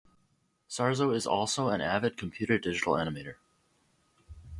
Sarzo is also an avid computer digital animator.